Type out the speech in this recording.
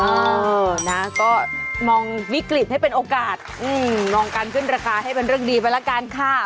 เออนะก็มองวิกฤตให้เป็นโอกาสมองการขึ้นราคาให้เป็นเรื่องดีไปละกันค่ะ